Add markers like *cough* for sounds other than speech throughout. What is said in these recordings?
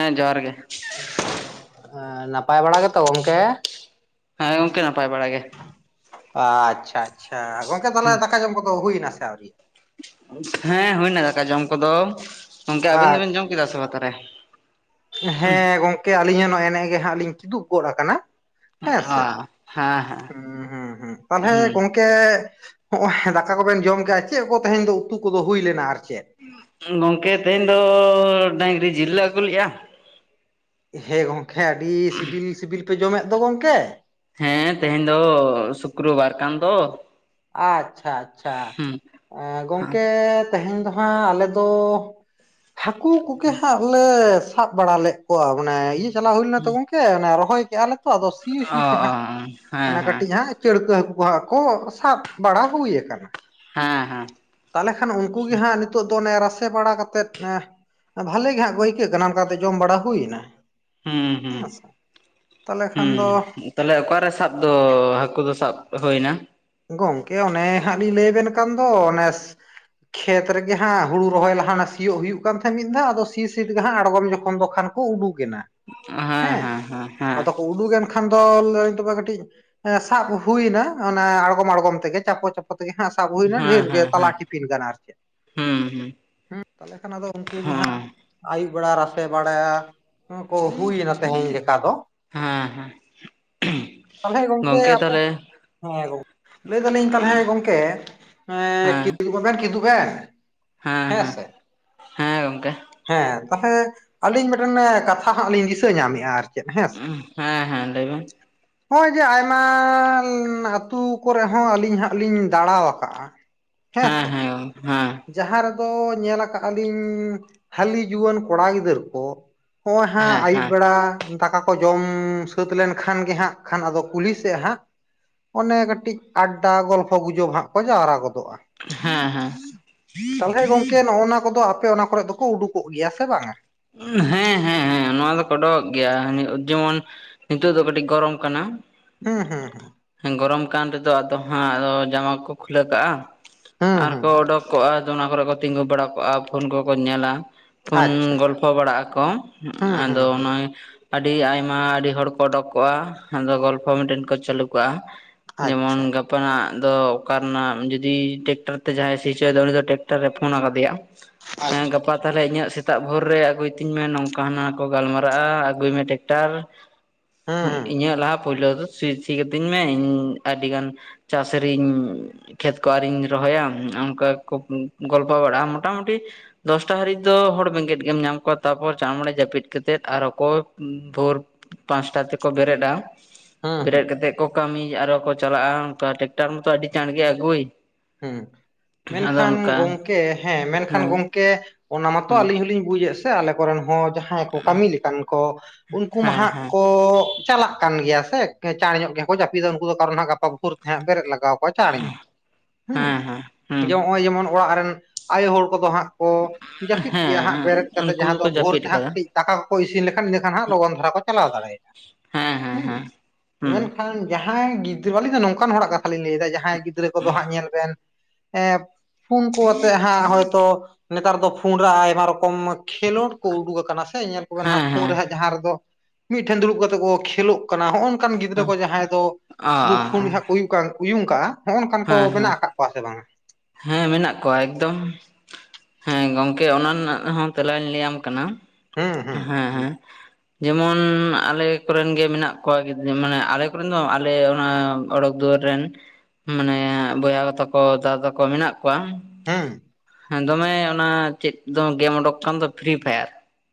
ᱦᱮᱸ ᱡᱚᱦᱟᱨ ᱜᱮ᱾ ᱱᱟᱯᱟᱭ ᱵᱟᱲᱟ ᱜᱮᱛᱚ ᱜᱚᱝᱠᱮ? ᱦᱮᱸ ᱜᱚᱝᱠᱮ ᱱᱟᱯᱟᱭ ᱵᱟᱲᱟ ᱜᱮ᱾ ᱟᱪᱷᱟ ᱟᱪᱷᱟ, ᱜᱚᱝᱠᱮ ᱛᱟᱦᱚᱞᱮ ᱫᱟᱠᱟ ᱡᱚᱢ ᱠᱚᱫᱚ ᱦᱩᱭᱱᱟ ᱥᱮ ᱟᱹᱣᱨᱤ? ᱦᱮᱸ ᱦᱩᱭᱱᱟ ᱫᱟᱠᱟ ᱡᱚᱢ ᱠᱚᱫᱚ, ᱜᱚᱝᱠᱮ ᱟᱹᱵᱤᱱ ᱫᱚᱵᱤᱱ ᱟᱪᱪᱷᱟ ᱡᱚᱢ ᱠᱮᱫᱟ ᱥᱮ ᱯᱟᱛᱟᱨᱮ? ᱦᱮᱸ ᱜᱚᱝᱠᱮ ᱟᱹᱞᱤᱧᱟᱜ ᱱᱚ ᱮᱱᱮᱡ ᱜᱮ ᱦᱟᱸᱜ ᱞᱤᱧ ᱛᱩᱤᱫᱩᱜ ᱜᱚᱫ ᱟᱠᱟᱱᱟ᱾ ᱦᱮᱸ ᱚ ᱥᱮ ᱦᱮᱸ ᱦᱮᱸ ᱦᱸ ᱦᱩᱸ ᱦᱩᱸ ᱛᱟᱦᱮ ᱜᱚᱝ ᱠᱮ ᱦᱚᱜᱼᱚᱭ ᱫᱟᱠᱟ ᱠᱚᱵᱮᱱ ᱡᱚᱢ ᱠᱮᱜᱼᱟ ᱪᱮᱫ ᱠᱚ ᱛᱮᱦᱮᱧ ᱫᱚ ᱩᱛᱩ ᱠᱚᱫᱚ ᱦᱩᱭ ᱞᱮᱱᱟ ᱟᱨ ᱪᱮᱫ? ᱜᱚᱝᱠᱮ ᱛᱮᱦᱮᱧ ᱫᱚ ᱰᱟᱝᱨᱤ ᱡᱷᱤᱞ ᱞᱮ ᱟᱹᱜᱩ ᱞᱮᱫᱼᱟ᱾ ᱦᱮᱸ ᱜᱚᱝᱠᱮ ᱟᱹᱰᱤ ᱥᱤᱵᱤᱞ ᱥᱤᱵᱤᱞ ᱯᱮ ᱡᱚᱢᱮᱫ ᱫᱚ ᱜᱚᱝᱠᱮ? ᱦᱮᱸ ᱛᱮᱦᱮᱧ ᱫᱚ ᱥᱩᱠᱨ ᱵᱟᱨ ᱠᱟᱱ ᱫᱚ᱾ ᱟᱪᱪᱷᱟ ᱟᱪᱪᱷᱟ ᱦᱩᱸ ᱜᱚᱝᱠᱮ ᱛᱮᱦᱮᱧ ᱫᱚ ᱦᱟᱸᱜ ᱟᱞᱮ ᱫᱚ ᱦᱟᱹᱠᱩ ᱠᱚᱜᱮ ᱦᱟᱸᱜ ᱞᱮ ᱥᱟᱵ ᱵᱟᱲᱟ ᱞᱮᱫ ᱠᱚᱣᱟ ᱢᱟᱱᱮ ᱤᱭᱟᱹ ᱪᱟᱞᱟᱣ ᱦᱩᱭ ᱞᱮᱱᱟ ᱛᱚ ᱜᱚᱝᱠᱮ ᱢᱟᱱᱮ ᱨᱚᱦᱚᱭ ᱠᱮᱫᱼᱟᱞᱮ ᱛᱚ ᱟᱫᱚ ᱥᱤ ᱥᱤ ᱚ ᱛᱮ ᱚ ᱦᱟᱸᱜ ᱦᱮᱸ ᱢᱟᱱᱮ ᱦᱮᱸ ᱠᱟᱹᱴᱤᱡ ᱦᱟᱸᱜ ᱪᱟᱹᱲᱠᱟᱹ ᱦᱟᱹᱠᱩ ᱦᱟᱸ ᱠᱚ ᱥᱟᱵ ᱵᱟᱲᱟ ᱦᱩᱭ ᱟᱠᱟᱱᱟ᱾ ᱦᱮᱸ ᱦᱮᱸ᱾ ᱛᱟᱦᱚᱞᱮ ᱠᱷᱟᱱ ᱩᱱᱠᱩ ᱜᱮ ᱦᱟᱸᱜ ᱱᱤᱛᱚᱜ ᱫᱚ ᱚᱱᱮ ᱨᱟᱥᱮ ᱵᱟᱲᱟ ᱠᱟ ᱠᱟᱛᱮᱫ ᱵᱷᱟᱞᱮ ᱜᱮ ᱦᱟᱸᱜ ᱠᱚ ᱟᱹᱭᱠᱟᱹᱜ ᱠᱟᱱᱟ ᱚᱱᱠᱟᱛᱮ ᱡᱚᱢ ᱵᱟᱲᱟ ᱦᱩᱭᱱᱟ᱾ ᱦᱩᱸ ᱦᱩᱸ ᱦᱮᱸ ᱥᱮ ᱛᱟᱦᱚᱞᱮ ᱠᱷᱟᱱ ᱫᱚ ᱛᱟᱦᱚᱞᱮ ᱚᱠᱟᱨᱮ ᱥᱟᱵ ᱫᱚ ᱦᱟᱹᱠᱩ ᱫᱚ ᱥᱟᱵ ᱦᱩᱭ ᱮᱱᱟ? ᱜᱚᱝᱠᱮ ᱚᱱᱮ ᱦᱟᱸᱜ ᱞᱤᱧ ᱞᱟᱹᱭ ᱟᱵᱮᱱ ᱠᱟᱱ ᱫᱚ ᱚᱱᱮ ᱠᱷᱮᱛ ᱨᱮᱜᱮ ᱦᱟᱸᱜ ᱦᱩᱲᱩ ᱨᱚᱦᱚᱭ ᱞᱟᱦᱟ ᱥᱤᱭᱳ ᱦᱩᱭᱩᱜ ᱠᱟᱱ ᱛᱟᱦᱮᱸᱫ ᱢᱤᱫ ᱫᱷᱟᱣ ᱟᱫᱚ ᱥᱤ ᱥ ᱜᱮ ᱦᱟᱸᱜ ᱟᱲᱜᱚᱢ ᱡᱚᱠᱷᱚᱱ ᱫᱚ ᱠᱷᱟᱱ ᱠᱚ ᱩᱰᱩᱠᱮᱱᱟ ᱦᱮᱸ ᱟᱫᱚ ᱠᱚ ᱩ ᱰᱩᱠ ᱮᱱ ᱠᱷᱟᱱ ᱫᱚ ᱞᱟᱹᱭᱫᱟᱹᱧ ᱛᱚᱵᱮ ᱠᱟᱹᱴᱤᱡ ᱮᱸ ᱥᱟᱵ ᱦᱩᱭᱱᱟ ᱚᱱᱟ ᱟᱲᱜᱚᱢ ᱟᱲᱜᱚᱢ ᱛᱮᱜᱮ ᱪᱟᱯᱚ ᱪᱟᱯᱚ ᱛᱮᱜᱮ ᱦᱟᱸᱜ ᱥᱟᱵ ᱦᱩᱭᱱᱟ ᱦᱮᱸ ᱰᱷᱮᱨ ᱜᱮ ᱦᱮᱸ ᱛᱟᱞᱟ ᱦᱮᱸ ᱴᱤᱯᱤᱱ ᱜᱟᱱ ᱟᱨ ᱪᱮᱫ᱾ ᱦᱩᱸ ᱦᱩᱸ ᱦᱮᱸ ᱛᱟᱦᱚᱞᱮ ᱠᱷᱟᱱ ᱟᱫᱚ ᱩᱱᱠᱩ ᱜᱮ ᱦᱩᱸ ᱦᱟᱸᱜ ᱟᱹᱭᱩᱵ ᱵᱮᱲᱟ ᱨᱟᱥᱮ ᱵᱟᱲᱟ ᱠᱚ ᱦᱩᱭᱱᱟ ᱛᱮᱦᱮᱧ ᱞᱮᱠᱟ ᱫᱚ᱾ ᱦᱮᱸ ᱦᱮᱸ ᱛᱟᱦᱚᱞᱮ ᱜᱚᱝᱠᱮ ᱟᱯᱮ, ᱦᱮᱸ ᱜᱚᱝᱠᱮ ᱞᱟᱹᱭ ᱫᱟᱞᱤᱧ ᱛᱟᱦᱚᱞᱮ ᱜᱚᱢᱠᱮ ᱮᱸᱻ ᱦᱮᱸ ᱠᱤᱫᱩᱵ ᱦᱚᱸᱵᱮᱱ ᱠᱤᱫᱩᱵ ᱮᱱ᱾ ᱦᱮᱸ ᱦᱮᱸ, ᱦᱮᱸ ᱜᱚᱝᱠᱮ᱾ ᱦᱮᱸ ᱛᱟᱦᱚᱞᱮ ᱟᱹᱞᱤᱧ ᱢᱤᱫᱴᱮᱱ ᱠᱟᱛᱷᱟ ᱦᱟᱸᱜ ᱞᱤᱧ ᱫᱤᱥᱟᱹ ᱧᱟᱢᱮᱜᱼᱟ ᱟᱨ ᱪᱮᱫ ᱦᱮᱸ ᱥᱮ ᱩᱸᱦ ᱦᱮᱸ ᱦᱮᱸ ᱞᱟᱹᱭᱵᱮᱱ᱾ ᱱᱚᱜᱼᱚᱭ ᱡᱮ ᱟᱭᱢᱟᱻ ᱟᱹᱛᱩ ᱠᱚᱨᱮ ᱦᱚᱸ ᱟᱹᱞᱤᱧ ᱦᱟᱸᱜ ᱞᱤᱧ ᱫᱟᱬᱟᱣ ᱟᱠᱟᱜᱼᱟ᱾ ᱦᱮᱸ ᱥᱮ ᱾ ᱦᱮᱸ ᱾ ᱡᱟᱦᱟᱸ ᱨᱮᱫᱚ ᱧᱮᱞ ᱟᱠᱟᱜ ᱟᱞᱤᱧ ᱦᱟᱹᱞᱤ ᱡᱩᱣᱟᱹᱱ ᱠᱚᱲᱟ ᱜᱤᱫᱟᱹᱨ ᱠᱚ᱾ ᱱᱚᱜ-ᱚᱭ ᱦᱟᱸᱜ ᱦᱮᱸ ᱟᱭᱩᱵ ᱦᱮᱸ ᱵᱮᱲᱟ ᱾ ᱫᱟᱠᱟ ᱠᱚ ᱡᱚᱢᱻ ᱥᱟᱹᱛ ᱞᱮᱱᱠᱷᱟᱱ ᱜᱮ ᱦᱟᱸᱜ ᱠᱷᱟᱱ ᱟᱫᱚ ᱠᱩᱞᱦᱤ ᱥᱮᱫ ᱦᱟᱸᱜ᱾ ᱚᱱᱮ ᱠᱟᱹᱴᱤᱡ ᱟᱰᱰᱟ ᱜᱚᱞᱯᱷᱚ ᱜᱩᱡᱚᱵᱽ ᱦᱟᱸᱜ ᱠᱚ ᱡᱟᱣᱨᱟ ᱜᱚᱫᱚᱜ᱾ ᱦᱮᱸ ᱦᱮᱸ ᱾ ᱛᱟᱦᱚᱞᱮ ᱜᱚᱝᱠᱮ ᱱᱚᱜ-ᱚ ᱱᱚᱣᱟ ᱠᱚᱫᱚ ᱟᱯᱮ ᱚᱱᱟ ᱠᱚᱨᱮᱫ ᱫᱚᱠᱚ ᱩᱰᱩᱠᱚᱜ ᱜᱮᱭᱟ ᱥᱮ ᱵᱟᱝᱟ? ᱦᱮᱸ ᱦᱮᱸ ᱦᱮᱸ ᱱᱚᱣᱟ ᱫᱚᱠᱚ ᱚᱰᱚᱠᱚᱜ ᱜᱮᱭᱟ ᱡᱮᱢᱚᱱ ᱾ ᱱᱤᱛᱳᱜ ᱫᱚ ᱠᱟᱹᱴᱤᱡ ᱜᱚᱨᱚᱢ ᱠᱟᱱᱟ ᱾ ᱦᱩᱸ ᱦᱩᱸ ᱾ ᱜᱚᱨᱚᱢ ᱠᱟᱱ ᱨᱮᱫᱚ ᱟᱫᱚ ᱦᱟᱸᱜ ᱟᱫᱚ ᱡᱟᱢᱟ ᱠᱚ ᱠᱷᱩᱞᱟᱹᱣ ᱠᱟᱜᱼᱟ ᱾ ᱦᱩᱸ ᱟᱨ ᱦᱩᱸ ᱠᱚ ᱚᱰᱚᱠ ᱠᱚᱜᱼᱟ ᱟᱫᱚ ᱚᱱᱟ ᱠᱚᱨᱮ ᱠᱚ ᱛᱤᱸᱜᱩ ᱵᱟᱲᱟ ᱠᱚᱜᱼᱟ ᱯᱷᱳᱱ ᱠᱚᱠᱚ ᱧᱮᱞᱟ ᱾ ᱯᱷᱳᱱ ᱟᱪᱪᱷᱟ ᱜᱚᱞᱯᱷᱚ ᱵᱟᱲᱟᱜ ᱟᱠᱚ ᱦᱩᱸ ᱟᱫᱚ ᱦᱩᱸ ᱦᱩᱸ ᱚᱱᱟ᱾ ᱟᱹᱰᱤ ᱟᱭᱢᱟ ᱟᱹᱰᱤ ᱦᱚᱲ ᱠᱚ ᱚᱰᱚᱠ ᱠᱚᱜᱼᱟ ᱟᱫᱚ ᱜᱚᱞᱯᱷᱚ ᱢᱤᱫᱴᱮᱱ ᱠᱚ ᱪᱟᱹᱞᱩ ᱠᱟᱜᱼᱟ ᱾ ᱟᱪᱪᱷᱟ ᱡᱮᱢᱚᱱ ᱜᱟᱯ᱾ ᱜᱟᱯᱟ ᱨᱮᱱᱟᱜ ᱫᱚ ᱚᱠᱟ ᱨᱮᱱᱟᱜ ᱡᱩᱫᱤ ᱴᱮᱠᱴᱟᱨ ᱛᱮ ᱡᱟᱦᱟᱸᱭ ᱥᱤ ᱪᱚᱭᱮᱫᱟ ᱩᱱᱤ ᱫᱚ ᱴᱮᱠᱴᱟᱨᱮ ᱯᱷᱳᱱ ᱟᱠᱟᱫᱮᱭᱟ ᱾ ᱦᱮᱸ ᱟᱪᱪᱷᱟ ᱜᱟᱯᱟ ᱟᱪᱪᱷᱟ ᱛᱟᱦᱞᱮ ᱤᱧᱟᱹᱜ ᱥᱮᱛᱟᱜ ᱵᱷᱳᱨ ᱨᱮ᱾ ᱟᱹᱜᱩᱭ ᱛᱤᱧ ᱢᱮ ᱱᱚᱝᱠᱟ ᱦᱟᱱᱟ ᱠᱚ ᱜᱟᱞᱢᱟᱨᱟᱜᱼᱟ ᱟᱹᱜᱩᱭ ᱢᱮ ᱴᱮᱠᱴᱟᱨ ᱾ ᱦᱩᱸᱜ ᱦᱩᱸ ᱦᱩᱸ ᱤᱧᱟᱹᱜ ᱞᱟᱦᱟ ᱯᱳᱭᱞᱳ ᱫᱚ ᱥᱤ ᱥᱤ ᱠᱟᱹᱛᱤᱧ ᱢᱮ ᱤᱧ ᱟᱹᱰᱤ ᱜᱟᱱ᱾ ᱪᱟᱥᱨᱤᱧ᱾ ᱠᱷᱮᱛ ᱠᱚ ᱟᱣᱨᱤᱧ ᱨᱚᱦᱚᱭᱟ ᱚᱱᱠᱟ ᱠᱚ ᱜᱚᱞᱯᱷᱚ ᱵᱟᱲᱟᱜᱼᱟ ᱢᱚᱴᱟᱢᱩᱴᱤ᱾ ᱫᱚᱥᱴᱟ ᱦᱟᱹᱨᱤᱡ ᱫᱚ ᱦᱚᱲ ᱵᱮᱸᱜᱮᱫ ᱜᱮᱢ ᱧᱟᱢ᱾ ᱛᱟᱯᱚᱨ ᱪᱟᱬᱢᱟᱬᱮ ᱡᱟᱹᱯᱤᱫ ᱠᱟᱛᱮᱫ ᱟᱨ ᱚᱠᱚ ᱵᱷᱳᱨ᱾ ᱯᱟᱸᱪᱴᱟ ᱛᱮᱠᱚ ᱵᱮᱨᱮᱫ ᱟ ᱦᱩᱸ ᱾ ᱵᱮᱨᱮᱫ ᱦᱩᱸ ᱠᱟᱛᱮᱫ ᱠᱚ ᱠᱟᱹᱢᱤ ᱟᱨᱚ ᱠᱚ ᱪᱟᱞᱟᱜᱼᱟ ᱚᱱᱠᱟ ᱴᱮᱠᱴᱟᱨ ᱢᱟᱛᱚ ᱟᱹᱰᱤ ᱪᱟᱬᱜᱮ ᱟᱹᱜᱩᱭ ᱾ ᱦᱩᱸ ᱢᱮᱱᱠᱷᱟᱱ ᱜᱚᱢᱠᱮ ᱦᱮᱸ ᱢᱮᱱᱠᱷᱟᱱ ᱜᱚᱢᱠᱮ? ᱚᱱᱟ ᱢᱟᱛᱚ ᱦᱩᱸ ᱟᱞᱤᱧ ᱦᱚᱞᱤᱧ ᱵᱩᱡᱮᱫ ᱥᱮ ᱟᱞᱮ ᱠᱚᱨᱮᱱ ᱦᱚᱸ ᱡᱟ᱾ ᱦᱟᱸᱭ ᱠᱚ ᱠᱟᱹᱢᱤ ᱞᱮᱠᱟᱱ ᱠᱚ ᱩᱱᱠᱩ ᱢᱟ ᱦᱮᱸ ᱦᱟᱸᱜ ᱦᱮᱸ ᱠᱚ? ᱪᱟᱞᱟᱜ ᱠᱟᱱ ᱜᱮᱭᱟ ᱥᱮ ᱪᱟᱬ ᱧᱚᱜ ᱜᱮᱠᱚ ᱡᱟᱹᱯᱤᱫᱟ ᱩᱱᱠᱩ ᱫᱚ ᱠᱟᱨᱚᱱ ᱦᱟᱸᱜ ᱜᱟᱯᱟ ᱵᱷᱳᱨ ᱛᱮ ᱦᱟᱸᱜ ᱵᱮᱨᱮᱫ ᱞᱟᱜᱟᱣ ᱠᱚᱣᱟ ᱪᱟᱬ ᱧᱚᱜ ᱾ ᱦᱮᱸ ᱦᱩᱸ ᱦᱮᱸ ᱦᱩᱸ ᱡᱮ ᱱᱚᱜᱼᱚᱭ ᱡᱮᱢᱚᱱ ᱚᱲᱟᱜ ᱨᱮᱱ ᱟᱭᱳ ᱦᱚᱲ ᱠᱚᱫᱚ ᱦᱟᱸᱜ? ᱠᱚ *unintelligible* ᱡᱟᱹᱯᱤᱫ ᱠᱮᱜᱼᱟ ᱦᱮᱸ ᱦᱟᱸᱜ ᱵᱮᱨᱮᱫ ᱠᱟᱛᱮᱫ ᱩᱱᱠᱩ ᱡᱟᱦᱟᱸ ᱫᱚ ᱜᱮᱠᱚ ᱵᱷᱳᱨ ᱡᱟᱹᱯᱤᱫ ᱛᱮ ᱦᱟᱸᱜ ᱟᱠᱟᱫᱟ ᱠᱟᱹᱡ ᱫᱟᱠᱟ ᱠᱚᱠᱚ ᱤᱥᱤᱱ ᱞᱮᱠᱷᱟᱱ ᱤᱱᱟᱹᱠᱷᱟᱱ ᱦᱟᱸᱜ ᱞᱚᱜᱚᱱ ᱫᱷᱟᱨᱟ ᱠᱚ ᱪᱟᱞᱟᱣ ᱫᱟᱲᱮᱭᱟᱜᱼᱟ ᱾ ᱦᱮᱸ ᱦᱮᱸ ᱦᱩᱸ ᱦᱮᱸ ᱦᱩᱸ ᱢᱮᱱᱠᱷᱟᱱ ᱾ ᱡᱟᱦᱟᱸᱭ ᱜᱤᱫᱽᱨᱟᱹ ᱵᱟᱞᱤᱧ ᱞᱟᱹᱭᱫᱟ ᱱᱚᱝᱠᱟᱱ ᱦᱚᱲᱟᱜ ᱠᱟᱛᱷᱟ ᱞᱤᱧ ᱞᱟᱹᱭᱫᱟ ᱡᱟᱦᱟᱸᱭ ᱜᱤᱫᱽᱨᱟᱹ ᱠᱚᱫᱚ ᱦᱟᱸᱜ ᱧᱮᱞ ᱵᱮᱱ ᱮᱸ᱾ ᱯᱷᱳᱱ ᱠᱚ ᱟᱛᱮᱜ ᱦᱟᱸᱜ ᱦᱳᱭᱛᱳ ᱱᱮᱛᱟᱨ ᱫᱚ ᱯᱷᱳᱱ ᱨᱮ ᱟᱭᱢᱟ ᱨᱚᱠᱚᱢ᱾ ᱠᱷᱮᱞᱳᱰ ᱠᱚ ᱩᱰᱩᱠ ᱟᱠᱟᱱᱟ ᱥᱮ ᱧᱮᱞ ᱠᱚᱵᱮᱱ ᱦᱮᱸ ᱦᱟᱸᱜ ᱯᱷᱳᱱ ᱦᱮᱸ ᱨᱮ ᱦᱟᱸᱜ ᱡᱟᱦᱟᱸ ᱨᱮᱫᱚ ᱢᱤᱫᱴᱷᱮᱱ ᱫᱩᱲᱩᱵ ᱠᱟᱛᱮ ᱠᱚ ᱠᱷᱮᱞᱳᱜ᱾ ᱠᱟᱱᱟ ᱦᱚᱸᱜ ᱚᱝᱠᱟᱱ ᱜᱤᱫᱽᱨᱟᱹ ᱚ ᱠᱚ ᱡᱟᱦᱟᱸᱭ ᱫᱚ ᱥᱩᱫᱩ ᱯᱷᱳᱱ ᱜᱮ ᱦᱟᱸᱜ ᱠᱚ ᱩᱭᱩᱜ ᱠᱟᱜ ᱩᱭᱩᱝ ᱠᱟᱜ-ᱟ ᱦᱚᱸᱜ ᱚᱝᱟᱱ ᱠᱚ ᱦᱮᱸ ᱦᱮᱸ ᱢᱮᱱᱟᱜ᱾ ᱟᱠᱟᱫ ᱠᱚᱣᱟ ᱥᱮ ᱵᱟᱝᱟ? ᱦᱮᱸ ᱢᱮᱱᱟᱜ ᱠᱚᱣᱟ ᱮᱠᱫᱚᱢ᱾ ᱦᱮᱸ ᱜᱚᱢᱠᱮ ᱚᱱᱟ ᱨᱮᱱᱟᱜ ᱦᱚᱸ ᱛᱮᱞᱟᱧ ᱞᱟᱹᱭᱟᱢ ᱠᱟᱱᱟ᱾ ᱦᱩᱸ ᱦᱩᱸ ᱾ ᱦᱮᱸ ᱦᱮᱸ᱾ ᱡᱮᱢᱚᱱ ᱟᱞᱮ ᱠᱚᱨᱮᱱ ᱜᱮ ᱢᱮᱱᱟᱜ ᱠᱚᱣᱟ ᱜᱤᱫᱽᱟᱹ ᱢᱟᱱᱮ ᱟᱞᱮ ᱠᱚᱨᱮᱱ ᱫᱚ ᱟᱞᱮ ᱚᱱᱟ᱾ ᱚᱰᱚᱠ ᱫᱩᱣᱟᱹᱨ ᱨᱮᱱ ᱢᱟᱱᱮ ᱵᱚᱭᱦᱟ ᱛᱟᱠᱚ ᱫᱟᱫᱟ ᱛᱟᱠᱚ ᱢᱮᱱᱟᱜ ᱠᱚᱣᱟ᱾ ᱦᱩᱸ᱾ ᱦᱮᱸ ᱫᱚᱢᱮ ᱚᱱᱟ ᱪᱮᱫ ᱫᱚ ᱜᱮᱢ ᱚᱰᱳᱠ ᱠᱟᱱ ᱫᱚ ᱯᱷᱨᱤ ᱯᱷᱟᱭᱟᱨ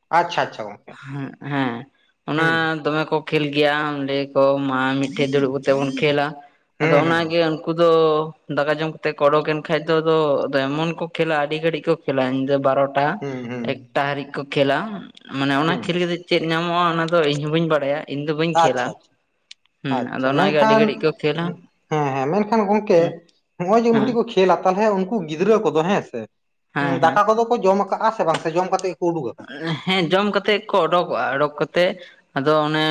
ᱟᱪᱪᱷᱟ ᱟᱪᱪᱷᱟ᱾ ᱦᱩᱸ ᱦᱮᱸ ᱚᱱᱟ ᱦᱩᱸ ᱫᱚᱢᱮ ᱠᱚ ᱠᱷᱮᱞ ᱜᱮᱭᱟ ᱚᱸᱰᱮ ᱠᱚ ᱢᱟ ᱢᱤᱫᱴᱷᱮᱱ ᱫᱩᱲᱩᱵ ᱠᱟᱛᱮ ᱵᱚᱱ ᱠᱷᱮᱞᱟ ᱟᱫᱚ ᱦᱩᱸ ᱦᱩᱸ ᱚᱱᱟᱜᱮ ᱠᱩ ᱫᱚ ᱫᱟᱠᱟ ᱡᱚᱢ ᱠᱟᱛᱮ ᱠᱚ ᱚᱰᱳᱠ ᱮᱱ ᱠᱷᱟᱡ ᱫᱚ ᱟᱫᱚ ᱮᱢᱚᱱ ᱠᱚ ᱠᱷᱮᱞᱟ ᱟᱹᱰᱤ ᱜᱷᱟᱹᱲᱤᱡ ᱠᱚ ᱠᱷᱮᱞᱟ ᱤᱧᱟ ᱫᱚ ᱵᱟᱨᱚ ᱴᱟ ᱦᱩᱸ ᱦᱩᱸ ᱮᱠᱴᱟ ᱦᱟᱹᱨᱤᱡ ᱠᱚ ᱠᱷᱮᱞᱟ ᱢᱟᱱᱮ ᱚᱱᱟ ᱦᱩᱸ ᱠᱷᱮᱞ ᱠᱟᱛᱮᱜ ᱪᱮᱫ ᱧᱟᱢᱚᱜᱼᱟ ᱚᱱᱟ ᱫᱚ ᱤᱧ ᱦᱚᱸ ᱵᱟᱹᱧ ᱵᱟᱲᱟᱭᱟ ᱤᱧ ᱫᱚ ᱵᱟᱹᱧ ᱠᱷᱮᱞᱟ, ᱟᱪᱪᱷᱟ ᱟᱪᱪᱷᱟ ᱦᱮᱸ ᱟᱫᱚ ᱟᱪᱪᱷᱟ ᱚᱱᱟᱜᱮ ᱟᱹᱰᱤ ᱢᱮᱱᱠᱷᱟᱱ ᱜᱷᱟᱹᱲᱤᱡ ᱠᱚ ᱠᱷᱮᱞᱟ ᱦᱮᱸ ᱦᱮᱸ ᱢᱮᱱᱠᱷᱟᱱ ᱜᱚᱝᱠᱮ ᱱᱚᱜᱼᱚᱭ ᱡᱮ ᱩᱱ ᱦᱮᱸ ᱜᱷᱟᱹᱲᱤᱡ ᱠᱷᱮᱞᱟ ᱛᱟᱞᱦᱮ ᱩᱱᱠᱩ ᱜᱤᱫᱽᱨᱟᱹ ᱠᱚᱫᱚ ᱦᱮᱸ ᱥᱮ ᱦᱮᱸ ᱦᱮᱸ ᱫᱟᱠᱟ ᱠᱚᱫᱚ ᱠᱚ ᱡᱚᱢ ᱠᱟᱟᱜᱼᱟ ᱥᱮ ᱵᱟᱝ ᱡᱚᱢ ᱠᱟᱛᱮ ᱜᱮ ᱠᱚ ᱩᱰᱩᱠ ᱟᱠᱟᱱᱟ᱾ ᱦᱮᱸ ᱡᱚᱢ ᱠᱟᱛᱮᱫ ᱠᱚ ᱚᱰᱳᱚᱠᱚᱜᱼᱟ ᱚᱰᱳᱚᱠ ᱠᱟᱛᱮᱜ ᱟᱫᱚ ᱚᱱᱮ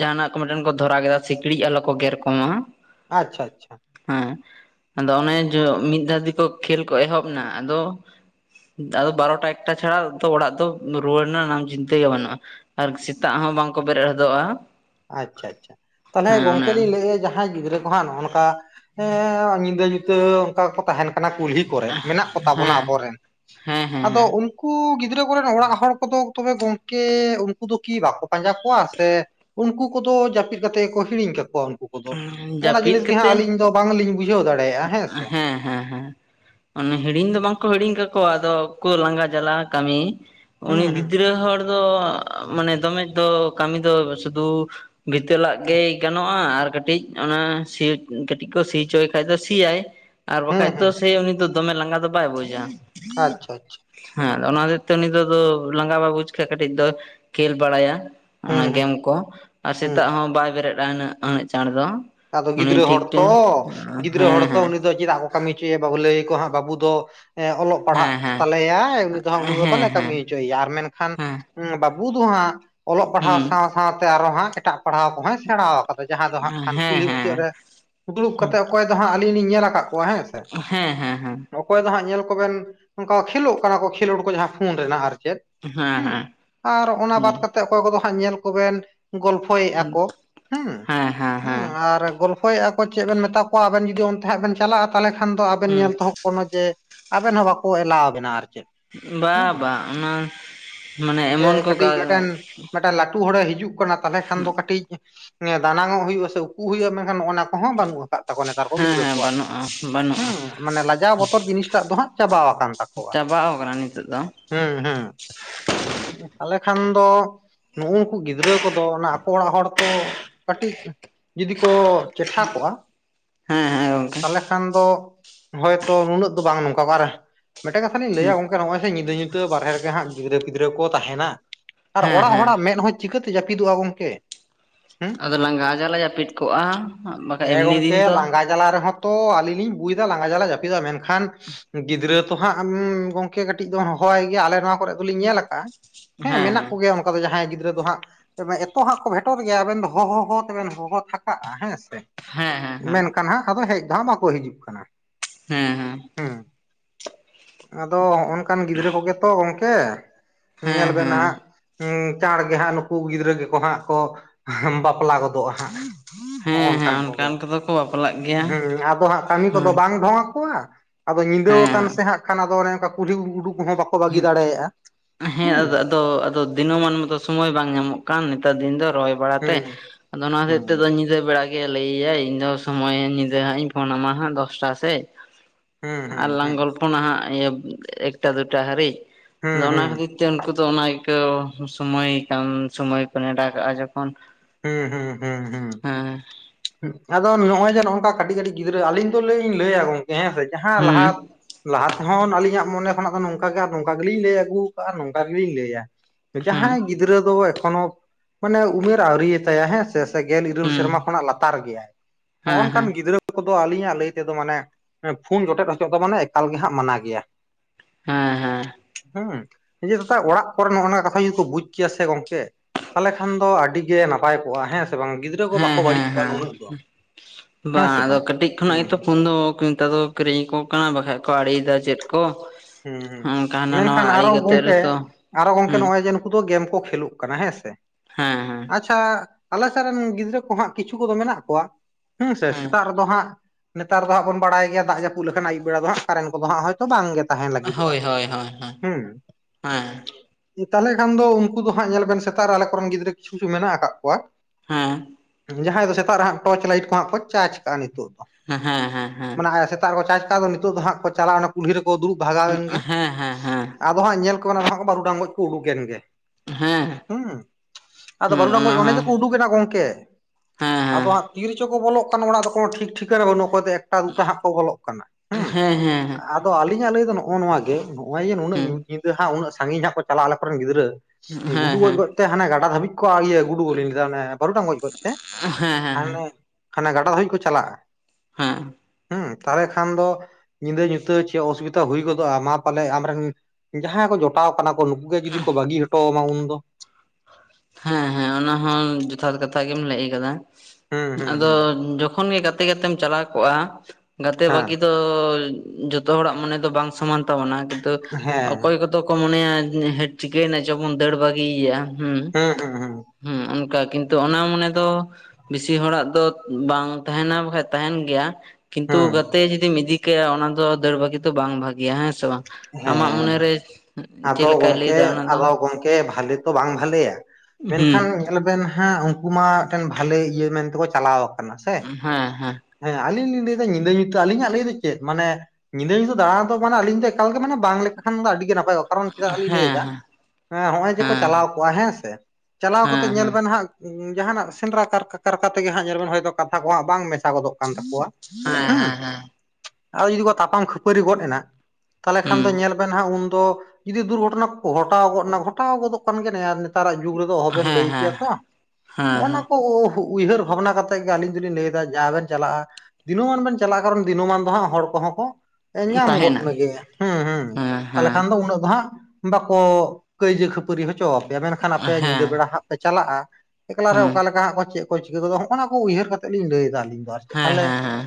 ᱡᱟᱦᱟᱸᱱᱟᱜ ᱠᱚ ᱢᱤᱫᱴᱮᱱ ᱠᱚ ᱫᱷᱚᱨᱟᱣ ᱠᱮᱫᱟ ᱥᱤᱠᱲᱤᱡ ᱟᱞᱚ ᱠᱚ ᱜᱮᱨ ᱠᱚᱢᱟ, ᱟᱪᱪᱷᱟ ᱟᱪᱪᱷᱟ᱾ ᱦᱮᱸ ᱟᱫᱚ ᱚᱱᱮ ᱡᱚ ᱢᱤᱫ ᱫᱷᱟᱹᱣ ᱡᱩᱫᱤ ᱠᱚ ᱠᱷᱮᱞ ᱠᱚ ᱮᱦᱚᱵ ᱮᱱᱟ ᱟᱫᱚ ᱟᱫᱚ ᱵᱟᱨᱚᱴᱟ ᱮᱠᱴᱟ ᱪᱷᱟᱲᱟ ᱛᱚ ᱚᱲᱟᱜ ᱫᱚ ᱨᱩᱣᱟᱹᱲ ᱨᱮᱱᱟᱜ ᱱᱟᱢ ᱪᱤᱱᱛᱟᱹ ᱜᱮ ᱵᱟᱹᱱᱩᱜᱼᱟ ᱟᱨ ᱥᱮᱛᱟᱜ ᱦᱚᱸ ᱵᱟᱝᱠᱚ ᱵᱮᱨᱮᱫ ᱦᱚᱫᱚᱜᱼᱟ, ᱟᱪᱪᱷᱟ ᱟᱪᱪᱷᱟ ᱦᱮᱸ ᱛᱟᱦᱚᱞᱮ ᱜᱚᱝᱠᱮ ᱚᱱᱮ ᱞᱤᱧ ᱞᱟᱹᱭᱮᱫᱼᱟ ᱡᱟᱦᱟᱸᱭ ᱜᱤᱫᱽᱨᱟᱹ ᱠᱚᱦᱟᱸᱜ ᱱᱚᱜ ᱚᱝᱠᱟ ᱠᱟ ᱮᱸ ᱧᱤᱫᱟᱹ ᱧᱛᱟᱹ ᱚᱱᱠᱟᱠᱚ ᱛᱟᱦᱮᱸᱱ ᱠᱟᱱᱟ ᱠᱩᱞᱦᱤ ᱠᱚᱨᱮ ᱢᱮᱱᱟᱜ ᱠᱚᱛᱟ ᱵᱚᱱᱟ ᱦᱮᱸ ᱟᱵᱚᱨᱮᱱ ᱦᱮᱸ ᱦᱮᱸ ᱟᱫᱚ ᱦᱮᱸ ᱩᱝ ᱠᱩ ᱜᱤᱫᱽᱨᱟᱹ ᱠᱚᱨᱮᱱ ᱚᱲᱟᱜ ᱦᱚᱲ ᱠᱚᱫᱚ ᱛᱚᱵᱮ ᱜᱚᱝᱠᱮ ᱩᱝᱠᱩ ᱫᱚ ᱠᱤ ᱵᱟᱠᱚ ᱯᱟᱸᱡᱟ ᱠᱚᱣᱟ ᱥᱮ ᱩᱱᱠᱩ ᱠᱚᱫᱚ ᱡᱟᱹᱯᱤᱫ ᱠᱟᱛᱮᱜ ᱜᱮᱠᱚ ᱦᱤᱲᱤᱧ ᱠᱟᱠᱚᱣᱟ ᱩᱱᱠᱩ ᱠᱚᱫᱚᱜ ᱚᱱᱟ ᱡᱤᱱᱤᱥ ᱜᱮ ᱦᱟᱸᱜ ᱟᱹᱞᱤᱧ ᱫᱚ ᱵᱟᱝᱞᱤᱧ ᱵᱡᱷᱟᱹᱣ ᱫᱟᱲᱮᱜ ᱦᱩᱸᱜ ᱦᱮᱸ ᱦᱮᱸ ᱦᱮᱸ᱾ ᱚᱱᱮ ᱦᱤᱲᱤᱧ ᱫᱚ ᱵᱟᱝᱠᱚ ᱦᱤᱲᱤᱧ ᱠᱟᱠᱚᱣᱟ ᱟᱫᱚ ᱠᱚ ᱞᱟᱸᱜᱟ ᱡᱟᱞᱟᱼᱟ ᱠᱟᱹᱢᱤ ᱦᱩᱸ ᱩᱱᱤ ᱦᱩᱸ ᱜᱤᱫᱽᱨᱟᱹ ᱦᱚᱲ ᱫᱚ ᱢᱟᱱᱮ ᱫᱚᱢᱮ ᱫᱚ ᱠᱟᱹᱢᱤ ᱫᱚ ᱥᱩᱫᱩ ᱵᱷᱤᱛᱟᱹᱞᱟᱜ ᱜᱮᱭ ᱜᱟᱱᱚᱜᱼᱟ ᱟᱨ ᱠᱟᱹᱴᱤᱡ ᱚᱱᱟ ᱥᱤ ᱠᱟᱹᱴᱤᱡ ᱠᱚ ᱥᱤᱪᱚᱭ ᱵᱟᱠᱷᱷᱟᱡ ᱫᱚ ᱥᱤᱭᱟᱭ ᱟᱨ ᱦᱩᱸ ᱵᱟᱠᱷᱟᱡ ᱦᱩᱸ ᱫᱚ ᱥᱮ ᱩᱱᱤ ᱫᱚ ᱫᱚᱢᱮ ᱞᱟᱸᱜᱟ ᱫᱚ ᱵᱟᱭ ᱵᱩᱡᱟ᱾ ᱟᱪᱪᱷᱟ ᱟᱪᱪᱷᱟ᱾ ᱦᱮᱸ ᱟᱫᱚ ᱚᱱᱟ ᱦᱚᱛᱤᱨ ᱛᱮ ᱩᱱᱤᱤᱫ ᱞᱟᱸᱜᱟ ᱵᱟᱭ ᱵᱩᱡ ᱠᱷᱟᱡ ᱠᱟᱹᱴᱤᱡ ᱫᱚ ᱠᱷᱮᱞ ᱵᱟᱲᱟᱭᱟ, ᱚᱱᱟ ᱦᱩᱸ ᱦᱩᱸ ᱜᱮᱢ ᱠᱚ ᱟᱨ ᱦᱩᱸ ᱥᱮᱛᱟᱜ ᱦᱚᱸ ᱵᱟᱭ ᱵᱮᱨᱮᱫᱼᱟ ᱩᱱᱟᱹᱜ ᱩᱱᱟᱹᱜ ᱪᱟᱬ ᱫᱚ, ᱟᱫᱚ ᱩᱱᱤ ᱜᱤᱫᱽᱨᱟᱹ ᱴᱷᱤᱠ ᱦᱚᱲ ᱛᱚ ᱴᱟᱭᱤᱢ ᱜᱤ ᱫᱽᱨᱟᱹ ᱦᱮᱸ ᱦᱚᱲ ᱛᱚ ᱦᱮᱸ ᱩᱱᱤ ᱫᱚ ᱪᱮᱫᱟᱜ ᱠᱚ ᱠᱟᱹᱢᱤ ᱦᱚᱪᱭᱟ ᱭᱟ ᱵᱟᱵᱚ ᱞᱟᱹᱭᱟᱭᱟ ᱠᱚ ᱦᱟᱸᱜ ᱵᱟᱹᱵᱩ ᱫᱚ ᱮᱸ ᱚᱞᱚᱜ ᱯᱟᱲᱦᱟᱜ ᱦᱮᱸ ᱦᱮᱸ ᱛᱟᱞᱮᱭᱟᱭ ᱩᱱᱤ ᱫᱚ ᱦᱟᱸᱜ ᱦᱮᱸ ᱩᱱᱟᱹᱜ ᱫᱚ ᱵᱟᱞᱮ ᱦᱮᱸ ᱠᱟᱹᱢᱤ ᱪᱚᱭ ᱭᱟ ᱟᱨ ᱢᱮᱱᱠᱷᱟᱱ ᱦᱮᱸ ᱵᱟᱹᱵᱩ ᱫᱚ ᱦᱟᱸᱜ ᱚᱞᱚᱜ ᱯᱟᱲᱦᱟᱣ ᱦᱩᱸ ᱥᱟᱶ ᱥᱟᱶᱛᱮ ᱟᱨᱦᱚ ᱦᱟᱸᱜ ᱮᱴᱟᱜ ᱯᱟᱲᱦᱟᱣ ᱠᱚᱦᱚᱸᱭ ᱥᱮᱬᱟ ᱟᱠᱟᱫᱟ ᱡᱟᱦᱟᱸᱭ ᱫᱚ ᱦᱟᱸᱜ ᱦᱮᱸ ᱦᱮᱸ ᱠᱷᱟᱱ ᱠᱩᱞᱦᱤ ᱢᱩᱪᱟᱹᱫ ᱦᱮᱸ ᱨᱮ ᱫᱩ ᱫᱩᱲᱩᱵ ᱠᱟ ᱠᱟᱛᱮᱫ ᱚᱠᱚᱭ ᱫᱚ ᱦᱟᱸᱜ ᱟᱹᱞᱤᱧ ᱞᱤᱧ ᱧᱮᱞ ᱟᱠᱟᱫ ᱠᱚᱣᱟ ᱦᱮᱸ ᱥᱮ ᱦᱮᱸ ᱦᱮᱸ ᱦᱮᱸ ᱦᱮᱸ ᱦᱩᱸ ᱚᱠᱚᱭ ᱫᱚ ᱦᱟᱸᱜ ᱧᱮᱞ ᱠᱚᱵᱮᱱ ᱚᱱᱠᱟ ᱠᱷᱮᱞᱳᱜ ᱠᱟᱱᱟ ᱠᱚ ᱠᱷᱮᱞᱳᱰ ᱠᱚ ᱡᱟᱦᱟᱸ ᱯᱷᱳᱱ ᱨᱮᱱᱟᱜ ᱟᱨ ᱪᱮᱫ, ᱦᱩᱸ ᱟᱨ ᱚᱱᱟ ᱵᱟᱫ ᱠᱟᱛᱮᱜ ᱚᱠᱚᱭ ᱠᱚᱫᱚ ᱦᱟᱸᱜ ᱧᱮᱞ ᱠᱚᱵᱮᱱ ᱜᱚᱞᱯᱷᱚᱭᱮᱜ ᱟᱠᱚ ᱦᱩᱸ ᱦᱮᱸ ᱦᱮᱸ ᱦᱮᱸ ᱦᱮᱸ ᱟᱨ ᱜᱚᱞᱯᱷᱚᱭᱮᱜᱼᱟᱠᱚ ᱪᱮᱫ ᱵᱮᱱ ᱢᱮᱛᱟ ᱠᱚᱣᱟ ᱟᱵᱮᱱ ᱡᱩᱫᱤ ᱚᱱᱛᱮ ᱦᱟᱸᱜ ᱵᱮᱱ ᱪᱟᱞᱟᱜᱼᱟ ᱛᱟᱦᱚᱞ ᱠᱷᱟᱱ ᱫᱚ ᱟᱵᱮᱱ ᱦᱩᱸ ᱧᱮᱞ ᱛᱮᱦᱚ ᱠᱱᱳ ᱡᱮ ᱟᱵᱮᱱ ᱦᱚᱸ ᱵᱟᱠᱚ ᱮᱞᱟᱣᱵᱮᱱᱟ ᱟᱨ ᱪᱮᱫ, ᱵᱟ ᱦᱮᱸ ᱵᱟ ᱚᱱᱟ ᱢᱟᱱᱮ ᱡᱮ ᱮᱢᱚᱱ ᱠᱚ ᱠᱟ ᱠᱟᱹᱴᱤᱡ ᱢᱤᱫᱴᱮᱱ ᱞᱟᱹᱴᱩ ᱦᱚᱲᱮ ᱦᱤᱡᱩᱜ ᱠᱟᱱᱟ ᱛᱟᱦᱞᱮ ᱠᱷᱟᱱ ᱫᱚ ᱠᱟᱹᱴᱤᱡ ᱫᱟᱱᱟᱝ ᱚ ᱦᱩᱭᱩᱜᱼᱟ ᱩᱠᱩ ᱦᱩᱭᱩᱜᱼᱟ ᱢᱮᱱᱠᱷᱟᱱ ᱚᱱᱟ ᱠᱚᱦᱚᱸ ᱵᱟᱹᱱᱩᱜᱼᱟ᱾ ᱠᱟᱜ ᱛᱟᱠᱚ ᱱᱮᱛᱟᱨ ᱠᱚ ᱦᱮᱸ ᱜᱤᱫᱽᱨᱟᱹ ᱦᱮᱸ ᱠᱚᱣᱟᱜ ᱫᱚ᱾ ᱵᱟᱹᱱᱩᱜᱼᱟ ᱵᱟᱹᱱᱩᱜᱼᱟ ᱦᱩᱸ, ᱢᱟᱱᱮ ᱞᱟᱡᱟᱣ ᱵᱚᱛᱚᱨ ᱡᱤᱱᱤᱥᱴᱟᱜ ᱫᱚ ᱦᱟᱸᱜ ᱪᱟᱵᱟ ᱟᱠᱟᱱ ᱛᱟᱠᱚᱣᱟ᱾ ᱪᱟᱵᱟᱣ ᱟᱠᱟᱱᱟ ᱱᱤᱛᱚᱜ ᱫᱚ᱾ ᱦᱩᱸ ᱦᱩᱸ, ᱛᱟᱦᱞᱮ ᱠᱷᱟᱱ ᱫᱚ ᱱᱩᱜ-ᱩᱝᱠᱩ ᱜᱤᱫᱽᱨᱟᱹ ᱠᱚᱫᱚ ᱚᱱᱟ ᱟᱠᱚ ᱚᱲᱟᱜ ᱦᱚᱲ ᱠᱚ ᱠᱟᱹᱴᱤᱡ ᱡᱩᱫᱤ ᱠᱚ ᱪᱮᱴᱷᱟ ᱠᱚᱜ-ᱟ ᱦᱮᱸ ᱦᱮᱸ ᱜᱚᱝᱠᱮ ᱛᱟᱦᱞᱮ ᱠᱷᱟᱱ ᱫᱚ ᱦᱚᱭᱛᱚ ᱱᱩᱱᱟᱹᱜ ᱫᱚ ᱵᱟᱝ ᱱᱚᱝᱠᱟ ᱠᱚᱜ-ᱟ, ᱟᱨ ᱢᱮᱫᱴᱮᱱ ᱠᱟᱛᱷᱟ ᱞᱤᱧ ᱞᱟᱹᱭᱟ ᱦᱩᱸ ᱜᱚᱝᱠᱮ ᱱᱚᱜᱼᱚᱭ ᱥᱮ ᱧᱤᱫᱟᱹ ᱧᱩᱤᱫᱟᱹ ᱵᱟᱨᱦᱨᱮ ᱨᱮᱜᱮ ᱦᱟᱸᱜ ᱜᱤᱫᱽᱨᱟᱹ ᱯᱤᱫᱽᱨᱟᱹ ᱠᱚ ᱛᱟᱸᱦᱮᱱᱟ᱾ ᱟᱨ ᱦᱮᱸ ᱚᱲᱟᱜ ᱦᱮᱸ ᱦᱚᱲᱟᱜ ᱢᱮᱸᱫ ᱦᱚᱸ ᱪᱤᱠᱟᱹᱛᱮ ᱡᱟᱹᱯᱤᱫᱚᱜ-ᱟ ᱜᱚᱝᱠᱮ᱾ ᱦᱩᱸ ᱟᱫᱚ ᱞᱟᱸᱜᱟ ᱡᱟᱞᱟ ᱡᱟᱹᱯᱤᱫ ᱠᱚᱜ-ᱟ, ᱵᱟᱠᱷᱟᱡ ᱮ ᱮᱢᱱᱤ ᱜᱚᱝᱠᱮ ᱫᱤᱱ ᱫᱚ ᱞᱟᱸᱜᱟ ᱡᱟᱞᱟ ᱨᱮᱦᱚᱸ ᱛᱚ ᱟᱞᱤᱧ ᱞᱤᱧ ᱵᱩᱡᱽᱫᱟ ᱞᱟᱸᱜᱟ ᱡᱟᱞᱟ ᱡᱟᱹᱯᱤᱫᱚᱜ-ᱟ ᱢᱮᱱᱠᱷᱟᱱ ᱜᱤᱫᱽᱨᱟᱹ ᱛᱚ ᱦᱟᱸᱜ ᱟᱢᱻ ᱜᱚᱝᱠᱮ ᱠᱟᱹᱴᱤᱡ ᱫᱚ ᱦᱚᱦᱚᱭ ᱜᱮᱭᱟ ᱟᱞᱮ ᱱᱚᱣᱟ ᱠᱚᱨᱮ ᱫᱚᱞᱤᱧ ᱧᱮᱞ ᱟᱠᱟᱜ-ᱟ᱾ ᱦᱮᱸ ᱢᱮᱱᱟᱜ ᱠᱚᱜᱮᱭᱟ ᱚᱱ ᱠᱟ ᱫᱚ ᱦᱟᱸᱜ ᱡᱟᱦᱟᱸᱭ ᱜᱤᱫᱽᱨᱟᱹ ᱫᱚ ᱦᱟᱸᱜ, ᱮᱛᱚ ᱦᱟᱸᱜ ᱠᱚ ᱵᱷᱴᱚᱨ ᱜᱮᱭᱟ ᱟᱵᱮᱱ ᱫᱚ ᱦᱚ ᱦᱚ ᱛᱮᱵᱮᱱ ᱦᱚ ᱦᱚ ᱯᱷᱟᱠᱟᱜ-ᱟ ᱦᱮᱸ ᱥᱮ᱾ ᱦᱮᱸ ᱦᱮᱸ ᱦᱮᱸ᱾ ᱠᱟᱱᱟ ᱦᱟᱸᱜ ᱟᱫᱚ ᱦᱮᱡ ᱫᱚ ᱦᱟᱸᱜ ᱵᱟᱠᱚ ᱦᱤᱡᱩᱜ ᱠᱟᱱᱟ᱾ ᱦᱩᱸ ᱦᱩᱸ᱾ ᱦᱩᱸ᱾ ᱟᱫᱚ ᱦᱚᱸᱜ-ᱚᱱᱠᱟᱱ ᱜᱤᱫᱽᱨᱟᱹ ᱠᱚᱜᱮ ᱛᱚ ᱜᱚᱝᱠᱮ ᱦᱮᱸ ᱦᱮᱸ ᱧᱮᱞ ᱵᱮᱱ ᱦᱮᱸ ᱱᱟᱜ ᱪᱟᱬ ᱜᱮ ᱦᱟᱸᱜ ᱱᱩᱠᱩ ᱜᱤᱫᱽᱨᱟᱹ ᱜᱮᱠᱚ ᱦᱟᱸᱜ ᱠᱚ ᱵᱟᱯᱞᱟ ᱜᱚᱫᱚᱜ-ᱟ ᱦᱟᱸᱜ᱾ ᱦᱮᱸ ᱦᱚᱸᱜ-ᱚᱱ ᱦᱮᱸ ᱠᱟᱱ ᱠᱚᱜᱮ ᱚᱱᱠᱟᱱ ᱠᱚᱫᱚ ᱠᱚ ᱵᱟᱯᱞᱟᱜ ᱜᱮᱭᱟ ᱦᱩᱸ᱾ ᱟᱫᱚ ᱦᱟᱸᱜ ᱠᱟᱹᱢᱤ ᱠᱚᱫᱚ ᱦᱮᱸ ᱵᱟᱝ ᱫᱷᱚᱝ ᱟᱠᱚᱣᱟ᱾ ᱟᱫᱚ ᱧᱤᱫᱟᱹ ᱟᱠᱟᱱ ᱦᱮᱸ ᱥᱮ ᱦᱟᱸᱜ ᱠᱷᱟᱱ ᱟᱫᱚ ᱚᱱᱮ ᱚᱝᱠᱟ ᱠᱩᱞᱦᱤ ᱩᱰᱩᱠ ᱠᱚᱦᱚᱸ ᱵᱟᱠᱚ ᱵᱟᱹᱜᱤ ᱫᱟᱲᱮᱭᱟᱜ-ᱟ ᱦᱩᱸ᱾ ᱛᱚ, ᱟᱫᱚ ᱫᱤᱱᱟᱹᱢᱟᱱ ᱢᱚᱛᱚ ᱥᱚᱢᱚᱭ ᱵᱟᱝ ᱧᱟᱢᱚᱜ ᱠᱟᱱ ᱱᱮᱛᱟᱨ ᱫᱤᱱ ᱫᱚ ᱨᱚᱦᱚᱭ ᱵᱟᱲᱟ ᱛᱮ, ᱦᱩᱸ ᱟᱫᱚ ᱚᱱᱟ ᱦᱚᱛᱮᱡ ᱛᱮᱫᱚ ᱦᱩᱸ ᱞᱤ ᱧᱤᱫᱟᱹ ᱵᱮᱲᱟ ᱜᱮ ᱞᱟᱹᱭᱟᱭ ᱤᱧ ᱫᱚ ᱥᱚᱢᱚᱭ ᱧᱤᱫᱟᱹ ᱦᱟᱸᱜ ᱤᱧ ᱯᱷᱳᱱᱟᱢᱟ ᱦᱟᱸᱜ ᱫᱚᱥᱴᱟ ᱥᱮᱡ᱾ ᱦᱩᱸ ᱦᱩᱸ᱾ ᱟᱨ ᱞᱟᱝ ᱜᱚᱞᱯᱷᱚᱱᱟ ᱦᱟᱸᱜ ᱤᱭᱟᱹ ᱮᱠᱴᱟ ᱫᱩᱴᱟ ᱦᱟᱹᱨᱤᱡ, ᱦᱩᱸ ᱟᱫᱚ ᱦᱩᱸ ᱚᱱᱟ ᱦᱩᱸ ᱠᱷᱟᱹᱛᱤᱨ ᱛᱮ ᱩᱱᱠᱩ ᱫᱚ ᱚᱱᱟ ᱟᱹᱭᱠᱟᱹᱣ ᱥᱚᱢᱚᱭ ᱠᱟᱱ ᱥᱚᱢᱚᱭ ᱠᱚ ᱱᱮᱰᱟ ᱠᱟᱜ-ᱟ ᱡᱚ ᱦᱮᱸ ᱦᱩᱸ ᱦᱩᱸ ᱦᱩᱸ᱾ ᱟᱫᱚ ᱱᱚᱜ-ᱚᱭ ᱡᱮ ᱱᱚᱜ-ᱚᱝᱠᱟ ᱠᱟᱹᱴᱤᱡ ᱠᱟᱹᱴᱤᱡ ᱜᱤᱫᱽᱨᱟᱹ ᱟᱞᱤᱧ ᱫᱚ ᱞᱤᱧ ᱞᱟᱹᱭᱟ ᱜᱚᱝᱠᱮ ᱦᱮᱸ ᱥᱮ᱾ ᱡᱟᱦᱟᱸ ᱦᱩᱸ ᱞᱟᱦᱟ ᱞᱟᱦᱟ ᱛᱮᱦᱚᱸ ᱟᱹᱞᱤᱧᱟᱜ ᱢᱚᱱᱮ ᱠᱷᱚᱱᱟᱜ ᱫᱚ ᱱᱚᱝᱠᱟ ᱜᱮ ᱟᱨ ᱱᱚᱝᱠᱟ ᱜᱮᱞᱤᱧ ᱞᱟᱹᱭ ᱟᱹᱜᱩ ᱠᱟᱜ-ᱟ, ᱟᱨ ᱱᱚᱝᱠᱟ ᱜᱮᱞᱤᱧ ᱞᱟᱹᱭᱟ᱾ ᱦᱩᱸ ᱡᱟᱦᱟᱸᱭ ᱜᱤᱫᱽᱨᱟᱹ ᱫᱚ ᱮᱠᱷᱚᱱᱳ ᱢᱟᱱᱮ ᱩᱢᱮᱹᱨ ᱟᱹᱣᱨᱤᱭᱟᱛᱟᱭᱟ ᱦᱮᱸ ᱥᱮ᱾ ᱥᱮ ᱜᱮᱞ ᱤᱨᱟᱹᱞ ᱦᱩᱸ ᱥᱮᱨᱢᱟ ᱠᱷᱚᱱᱟᱜ ᱞᱟᱛᱟᱨ ᱜᱮᱭᱟᱭ ᱦᱚᱸᱜ-ᱚ ᱦᱮᱸ ᱱᱚᱝᱠᱟᱱ ᱦᱮᱸ ᱜᱤᱫᱽᱨᱟᱹ ᱠᱚᱫᱚ ᱟᱹᱞᱤᱧᱟᱜ ᱞᱟᱹᱭ ᱛᱮᱫᱚ ᱢᱟᱱᱮ, ᱯᱷᱩᱱ ᱡᱚᱴᱮᱫ ᱦᱚᱪᱚ ᱫᱚ ᱮᱠᱟᱞ ᱜᱮ ᱦᱟᱸᱜ ᱢᱟᱱᱟ ᱜᱮᱭᱟ᱾ ᱦᱮᱸ ᱦᱮᱸ᱾ ᱦᱩᱸ ᱱᱤᱡᱮ ᱫᱟᱛᱷᱟ ᱚᱲᱟᱜ ᱠᱚᱨᱮ ᱱᱚᱜᱼᱚᱭ ᱱᱚᱣᱟ ᱠᱟᱛᱷᱟ ᱡᱩᱫᱤ ᱠᱚ ᱵᱩᱡᱽ ᱠᱮᱭᱟ ᱥᱮ ᱜᱚᱝᱠᱮ ᱛᱟᱦᱞᱮ ᱠᱷᱟᱱ ᱫᱚ ᱟᱹᱰᱤ ᱜᱮ ᱱᱟᱯᱟᱭ ᱠᱚᱜ-ᱟ ᱦᱮᱸ ᱥᱮ ᱵᱟᱝ ᱜᱤᱫᱽᱨᱟᱹ ᱠᱚ ᱦᱮᱸ ᱵᱟᱠᱚ ᱵᱟᱹᱲᱤᱡ ᱦᱮᱸ ᱠᱚᱜ-ᱟ ᱦᱮᱸ ᱱᱩᱱᱟᱹᱜ ᱫᱚ᱾ ᱦᱮᱸ ᱵᱟᱝ, ᱥᱮ ᱟᱫᱚ ᱠᱟᱹᱴᱤᱡ ᱠᱷᱚᱱᱟᱜ ᱦᱩᱸ ᱜᱮᱛᱚ ᱯᱷᱳᱱ ᱫᱚ ᱱᱮᱛᱟᱨ ᱫᱚ ᱠᱤᱨᱤᱧ ᱟᱠᱚ ᱠᱟᱱᱟ ᱵᱟᱠᱷᱟᱡ ᱠᱚ ᱟᱲᱮᱴᱤᱭᱮᱫᱟ ᱪᱮᱫ ᱠᱚ? ᱦᱩᱸ ᱦᱩᱸ᱾ ᱚᱱᱠᱟ ᱦᱟᱱᱟ ᱱᱟᱣᱟ ᱢᱮᱱᱠᱷᱟᱱ ᱟᱲᱮ ᱟᱨᱚ ᱠᱟᱛᱮᱫ ᱜᱚᱝᱠᱮ, ᱨᱮᱛᱚ ᱟᱨᱚ ᱜᱚᱝᱠᱮ ᱦᱩᱸ ᱱᱚᱜ-ᱚᱭ ᱡᱮ ᱱᱩᱠᱩ ᱫᱚ ᱜᱮᱢ ᱠᱚ ᱠᱷᱮᱞᱳᱜ ᱠᱟᱱᱟ ᱦᱮᱸ ᱥᱮ᱾ ᱦᱮᱸ ᱦᱮᱸ᱾ ᱟᱪᱪᱷᱟᱻ ᱟᱞᱮ ᱥᱮᱫ ᱨᱮᱱ ᱜᱤᱫᱽᱨᱟᱹ ᱠᱚᱦᱟᱸᱜ ᱠᱤᱪᱷᱩ ᱠᱚᱫᱚ ᱢᱮᱱᱟᱜ ᱠᱚᱣᱟ ᱦᱮᱸ ᱥᱮ ᱥᱮᱛᱟᱜ ᱨᱮᱫᱚ ᱦᱟᱸᱜ ᱱᱮᱛᱟᱨ ᱫᱚ ᱦᱟᱸ ᱵᱚᱱ ᱵᱟᱲᱟᱭ ᱜᱮᱭᱟ ᱫᱟᱜ ᱡᱟᱹᱩᱫ ᱞᱮᱠᱷᱟᱱ ᱟᱹᱭᱩᱵ ᱵᱮᱲᱟ ᱫᱚ ᱦᱟᱸᱜ ᱠᱟᱨᱮᱱ ᱠᱚ ᱫᱚ ᱦᱟᱸᱜ ᱦᱳᱭᱛᱚ ᱵᱟᱝ ᱜᱮ᱾ ᱛᱟᱦᱮᱱ ᱞᱟᱹᱜᱤᱫᱚᱜᱼᱟ ᱦᱳᱭ ᱦᱳᱭ ᱦᱳᱭ ᱦᱳᱭ ᱦᱩᱸ᱾ ᱦᱮᱸ ᱛᱟᱦᱞᱮ ᱠᱷᱟᱱ ᱫᱚ ᱩᱱᱠᱩ ᱫᱚ ᱦᱟᱸᱜ ᱧᱮᱞ ᱵᱮᱱ ᱥᱮᱛᱟᱜ ᱨᱮ ᱟᱞᱮ ᱠᱚᱨᱮᱱ ᱜᱤᱫᱽᱨᱟᱹ ᱠᱤᱪᱷᱩ ᱠᱤᱪᱷᱩ ᱢᱮᱱᱟᱜ ᱠᱟᱜ ᱠᱚᱣᱟ ᱦᱮᱸ᱾ ᱡᱟᱦᱟᱸᱭ ᱫᱚ ᱥᱮᱛᱟᱜ ᱨᱮ ᱦᱟᱸᱜ ᱴᱚᱨᱪ ᱞᱟᱭᱤᱴ ᱠᱚ ᱦᱟᱸᱜ ᱠᱚ ᱪᱟᱨᱡ ᱠᱟᱜᱼᱟ ᱱᱤᱛᱳᱜ ᱫᱚ᱾ ᱦᱩᱸ ᱦᱮᱸ ᱦᱮᱸ᱾ ᱦᱮᱸ ᱢᱟᱱᱮ ᱦᱟᱭ ᱥᱮᱛᱟᱜ ᱨᱮᱠᱚ ᱪᱟᱨᱡ ᱠᱟᱜ ᱫᱚ ᱱᱤᱛᱳᱜ ᱫᱚ ᱦᱟᱸᱜ ᱠᱚ ᱪᱟᱞᱟᱣᱱᱟ ᱠᱩᱞᱦᱤ ᱨᱮᱠᱚ ᱫᱩᱲᱩᱵᱽ ᱵᱷᱟᱜᱟᱣ ᱮᱱ ᱜᱮ ᱦᱮᱸ ᱟᱨ ᱟᱫᱚ ᱦᱟᱸᱜ ᱧᱮᱞ ᱠᱚᱵᱮᱱ ᱟᱨ ᱦᱚᱸ ᱦᱟᱸᱜ ᱵᱟᱨᱩᱰᱟᱝ ᱜᱚᱡ ᱠᱚ ᱩᱰᱩᱠᱮᱱ ᱜᱮ ᱦᱮᱸ ᱦᱮᱸ᱾ ᱦᱩᱸ ᱟᱫᱚ ᱦᱩᱸ ᱵᱟᱹᱨᱩᱰᱟᱝ ᱚᱱᱟ ᱜᱚᱡ ᱚᱱᱮ ᱦᱚᱸ ᱡᱮᱠᱚ ᱩᱰᱩᱠᱮᱱᱟ ᱜᱚᱝᱠᱮ ᱦᱮᱸ ᱦᱮᱸ ᱟᱫᱚ ᱦᱟᱸᱜ ᱛᱤ ᱨᱮᱪᱚ ᱠᱚ ᱵᱚᱞᱚᱜ? ᱠᱟᱱ ᱚᱲᱟᱜ ᱫᱚ ᱠᱚᱸ ᱴᱷᱤᱠ ᱴᱷᱤᱠᱟᱹᱱᱟ ᱵᱟᱹᱱᱩᱜ ᱚᱠᱚᱭ ᱫᱚ ᱮᱠᱴᱟ ᱰᱩᱴᱟ ᱦᱟᱸᱜ ᱠᱚ ᱵᱚᱞᱚᱜ ᱠᱟᱱᱟ ᱦᱩᱸ᱾ ᱦᱮᱸ ᱦᱮᱸ ᱦᱮᱸ ᱟ ᱛᱚ ᱟᱞᱤᱧᱟᱜ ᱞᱟᱹᱭ ᱫᱚ ᱱᱚᱜᱼᱚᱸ ᱱᱚᱣᱟ ᱜᱮ ᱱᱚᱜᱼᱚᱭ ᱡᱮ ᱱᱩᱱᱟᱹᱜ ᱦᱮᱸ ᱧᱤᱫᱟᱹ ᱦᱟᱸᱜ ᱩᱱᱟᱹᱜ ᱥᱟᱜᱤᱧ ᱦᱟᱸᱜ ᱪᱟᱞᱟᱜᱼᱟ ᱟᱞᱮ ᱠᱚᱨᱮᱱ ᱜᱤᱫᱽᱨᱟᱹ ᱦᱮᱸ ᱦᱮᱸ ᱜᱩᱰᱩ ᱦᱮᱸ ᱜᱚᱡ ᱜᱚᱡ ᱦᱮᱸ ᱛᱮ ᱦᱟᱱᱮ ᱜᱟᱰᱟ ᱫᱷᱟᱵᱤᱡ ᱠᱚ ᱤᱭᱟᱹ ᱜᱩᱰᱩ ᱜᱚᱡ ᱞᱤᱧ ᱞᱟ. ᱭᱫᱟ ᱚᱱᱮ ᱵᱟᱨᱩᱰᱟᱝ ᱜᱚᱡ ᱜᱚᱡ ᱛᱮ ᱦᱮᱸ ᱦᱮᱸ ᱦᱟᱱᱮ ᱦᱮᱸ᱾ ᱦᱟᱱᱮ ᱜᱟᱰᱟ ᱫᱷᱟᱵᱤᱡ ᱠᱚ ᱪᱟᱞᱟᱜᱼᱟ᱾ ᱦᱮᱸ᱾ ᱦᱩᱸ ᱛᱟᱦᱚᱞᱮ ᱠᱷᱟᱱ ᱫᱚ ᱧᱤᱫᱟᱹ ᱧᱩᱛᱟᱹ ᱪᱮ ᱚᱥᱩᱵᱤᱛᱟ ᱦᱩᱭ ᱜᱚᱫᱚᱜᱼᱟ ᱢᱟ ᱯᱟᱞᱮ ᱟᱢᱨᱮᱱ ᱡᱟᱦᱟᱸᱭ ᱠᱚ ᱡᱚᱴᱟᱣ ᱠᱟᱱᱟ ᱠᱚ ᱱᱩᱠᱩ ᱜᱮ ᱡᱩᱫᱤ ᱠᱚ ᱵᱟᱜᱤ ᱦᱚᱴᱚ ᱟᱢᱟ ᱩᱱ ᱫᱚ? ᱦᱮᱸ ᱦᱮᱸ ᱚᱱᱟ ᱦᱚᱸ ᱡᱚᱛᱷᱟᱛ ᱠᱟᱛᱷᱟ ᱜᱮᱢ ᱞᱟᱹᱭ ᱠᱟᱫᱟ᱾ ᱦᱩᱸ ᱦᱩᱸ᱾ ᱟᱫᱚ ᱦᱩᱸ ᱡᱚᱠᱷᱚᱱ ᱜᱮ ᱜᱟᱛᱮ ᱜᱟᱛᱮᱢ ᱪᱟᱞᱟᱣ ᱠᱚᱜᱼᱟ ᱜᱟᱛᱮ ᱦᱮᱸ ᱵᱟᱜᱤ ᱫᱚ ᱡᱚᱛᱚ ᱦᱚᱲᱟᱜ ᱢᱚᱱᱮ ᱫᱚ ᱵᱟᱝ ᱥᱚᱢᱟᱱ ᱛᱟᱵᱚᱱᱟ ᱠᱤᱱᱛᱩ ᱦᱮᱸ ᱚᱠᱚᱭ ᱠᱚ ᱛᱚ ᱠᱚ ᱢᱚᱱᱮᱭᱟ ᱦᱟᱹᱴ ᱪᱤᱠᱟᱹᱭᱮᱱᱟ ᱪᱚ ᱵᱚᱱ ᱫᱟᱹᱲ ᱵᱟᱹᱜᱤᱭ-ᱟ ᱦᱩᱸ᱾ ᱦᱩᱸ ᱦᱩᱸ᱾ ᱦᱩᱸ ᱚᱱᱠᱟ ᱠᱤᱱᱛᱩ ᱚᱱᱟ ᱢᱚᱱᱮ ᱫᱚ ᱵᱤᱥᱤ ᱦᱚᱲᱟᱜ ᱫᱚ ᱵᱟᱝ ᱛᱟᱦᱮᱱᱟ ᱵᱟᱠᱷᱟᱡ ᱛᱟᱦᱮᱱ ᱜᱮᱭᱟ ᱠᱤᱱᱛᱩ ᱦᱩᱸ ᱜᱟᱛᱮ ᱡᱩᱫᱤᱢ ᱤᱫᱤ ᱠᱟᱭᱟ ᱚᱱᱟ ᱫᱚ ᱫᱟᱹᱲ ᱵᱟᱹᱜᱤ ᱫᱚ ᱵᱟᱝ ᱵᱷᱟᱜ ᱜᱮᱭᱟ ᱦᱮᱸ ᱥᱮ ᱵᱟᱝ ᱟᱢᱟᱜ ᱦᱮᱸ ᱢᱚᱱᱮᱨᱮ ᱪᱮᱜ ᱞᱮᱠᱟᱭ ᱞᱟᱹᱭ ᱫᱟ ᱚᱱᱟ ᱫᱚ? ᱜᱚᱢᱠᱮ ᱵᱷᱟᱞᱮ ᱛᱚ ᱵᱟᱝ ᱵᱷᱟᱞᱮᱭᱟ ᱦᱩᱸ ᱢᱮᱱᱠᱷᱟᱱ ᱧᱮᱞ ᱵᱮᱱ ᱦᱟᱸᱜ ᱩᱱᱠᱩ ᱢᱟ ᱢᱮᱫᱴᱮᱱ ᱵᱷᱟᱞᱮ ᱤᱭᱟᱹ ᱢᱮᱱᱛᱮ ᱠᱚ ᱪᱟᱞᱟᱣ ᱠᱟᱱᱟ ᱥᱮ? ᱦᱮᱸ ᱟᱞᱤᱧ ᱞᱤᱧ ᱞᱟᱹᱭ ᱫᱟ ᱧᱤᱫᱟᱹ ᱧᱩᱛᱟᱹ ᱟᱞᱤᱧᱟᱜ ᱞᱟᱹᱭ ᱫᱚ ᱪᱮᱫ ᱢᱟᱱᱮ ᱧᱤᱫᱟᱹ ᱧᱩᱛᱟᱹ ᱫᱟᱬᱟᱱ ᱫᱚ ᱵᱟᱱᱮ ᱟᱹᱞᱤᱧ ᱫᱚ ᱮᱠᱟᱞ ᱜᱮ ᱢᱟᱱᱮ ᱵᱟᱝ ᱞᱮᱠᱷᱟᱱ ᱫᱚ ᱟᱹᱰᱤ ᱜᱮ ᱱᱟᱯᱟᱭᱚᱜᱼᱟ ᱠᱟᱨᱚᱱ ᱪᱮᱫᱟᱜ ᱞᱤᱧ ᱞᱟᱹᱭ ᱦᱮᱸ ᱫᱟ, ᱦᱮᱸ ᱦᱮᱸ ᱦᱚᱸᱜᱼᱚᱭ ᱡᱮᱠᱚ ᱪᱟᱞᱟᱣ ᱠᱚᱜᱼᱟ ᱦᱮᱸ ᱥᱮ ᱪᱟᱞᱟᱣ ᱦᱮᱸ ᱠᱚᱛᱮᱡ ᱦᱮᱸ ᱧᱮᱞ ᱵᱮᱱ ᱦᱟᱸᱜ ᱡᱟᱦᱟᱱᱟᱜ ᱥᱮᱸᱫᱽᱨᱟ ᱠᱟᱨ ᱠᱟᱨᱠᱟ ᱛᱮᱜᱮ ᱦᱟᱸᱜ ᱧᱮᱞ ᱵᱮᱱ ᱦᱚᱭ ᱛᱚ ᱠᱟᱛᱷᱟ ᱠᱚ ᱦᱟᱸᱜ ᱵᱟᱝ ᱢᱮᱥᱟ ᱜᱚᱫᱚᱜ ᱠᱟᱱ ᱛᱟᱠᱚᱣᱟ᱾ ᱦᱮᱸ ᱦᱩᱸ, ᱦᱮᱸ ᱦᱮᱸ ᱟᱨ ᱡᱩᱫᱤ ᱠᱚ ᱛᱟᱯᱟᱢ ᱠᱷᱟᱹᱯᱟᱹᱨᱤ ᱜᱚᱫ ᱮᱱᱟ ᱛᱟᱦᱞᱮ ᱦᱩᱸ ᱠᱷᱟᱱ ᱫᱚ ᱧᱮᱞ ᱵᱮᱱ ᱦᱟᱸᱜ ᱩᱱ ᱫᱚ ᱡᱩᱫᱤ ᱫᱩᱨᱜᱷᱚᱴᱚᱱᱟ ᱠᱚ ᱜᱷᱚᱴᱟᱣ ᱜᱚᱫᱽᱱᱟ ᱜᱷᱚᱴᱟᱣ ᱜᱚᱫᱚᱜ ᱠᱟᱱ ᱜᱮᱭᱟ ᱱᱮᱭᱟ ᱱᱤᱛ ᱱᱮᱛᱟᱨᱜ ᱡᱩᱜᱽ ᱨᱮᱫᱚ ᱚᱦᱚᱵᱮᱱ ᱦᱮᱸ ᱞᱟᱹᱭ ᱦᱮᱸ ᱠᱮᱭᱟ ᱛᱚ ᱦᱮᱸ ᱦᱚᱸᱜ-ᱚ ᱱᱟ ᱦᱮᱸ ᱠᱚ ᱩᱭᱦᱟᱹᱨ ᱵᱷᱟᱵᱽᱱᱟ ᱠᱟᱛᱮᱫ ᱜᱮ ᱟᱹᱞᱤᱧ ᱫᱚᱞᱤᱧ ᱞᱟᱹᱭᱫᱟ ᱡᱟ ᱵᱮᱱ ᱪᱟᱞᱟᱜᱼᱟ ᱫᱤᱱᱩ ᱢᱟᱱ ᱵᱮᱱ ᱪᱟᱞᱟᱜᱼᱟ ᱠᱟᱨᱚᱱ ᱫᱤᱱᱩ ᱢᱟᱱ ᱫᱚ ᱦᱟᱸᱜ ᱦᱚᱲ ᱠᱚᱦᱚᱸ ᱠᱚ ᱮ ᱧᱟᱢ ᱜᱚᱫᱽ ᱛᱟᱦᱮᱱᱟ ᱢᱮᱜᱮᱭᱟ ᱦᱩᱸ ᱦᱩᱸ ᱦᱮᱸ ᱦᱮᱸ ᱛᱟᱦᱞᱮ ᱦᱮᱸ ᱠᱷᱟᱱ ᱫᱚ ᱩᱱᱟᱹᱜ ᱫᱚ ᱦᱟᱸᱜ ᱵᱟᱠᱚ ᱠᱟᱹᱭᱡᱟᱹ ᱠᱷᱟᱹᱯᱟᱹᱨᱤ ᱦᱚᱪᱚ ᱟᱯᱮᱭᱟ ᱢᱮᱱᱠᱷᱟᱱ ᱟᱯᱮ ᱧᱤᱫᱟᱹ ᱵᱮᱲᱟ ᱦᱮᱸ ᱦᱟᱸᱜ ᱪᱟᱞᱟᱜᱼᱟ ᱮᱠᱞᱟᱨᱮ ᱚᱠᱟ ᱞᱮᱠᱟ ᱦᱟᱸᱜ ᱠᱚ ᱪᱮᱜ ᱠᱚ ᱪᱤᱠᱟᱹ ᱜᱚᱫᱚ ᱦᱚᱸᱜᱼᱚ ᱱᱚᱣᱟ ᱠᱩ ᱩᱭᱦᱟᱹᱨ ᱠᱟᱛᱮᱜ ᱞᱤᱧ ᱞᱟᱹᱭ ᱫᱟ ᱟᱹᱞᱤᱧ ᱫᱚ ᱟᱨᱠᱤ᱾ ᱦᱮᱸ ᱦᱮᱸ ᱦᱮᱸ